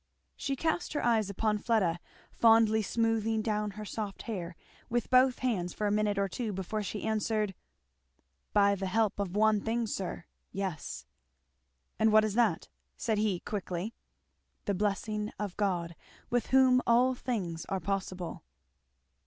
She cast her eyes upon Fleda, fondly smoothing down her soft hair with both hands for a minute or two before she answered, "By the help of one thing sir, yes!" "And what is that?" said he quickly. "The blessing of God, with whom all things are possible."